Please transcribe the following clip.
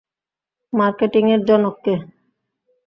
মার্কেটিংয়ের জনক কে?